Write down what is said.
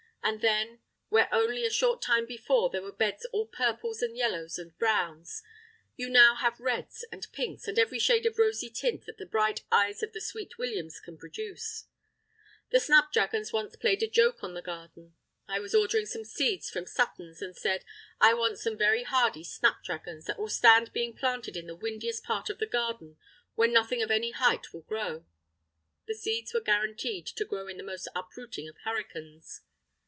And then, where only a short time before there were beds all purples and yellows and browns, you have now reds and pinks and every shade of rosy tint that the bright eyes of the sweet williams can produce. The snapdragons once played a joke on the garden. I was ordering some seeds from Sutton's, and said, "I want some very hardy snapdragons, that will stand being planted in the windiest part of the garden where nothing of any height will grow." The seeds were guaranteed to grow in the most uprooting of hurricanes.